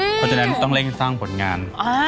เพราะฉะนั้นต้องเร่งสร้างผลงาน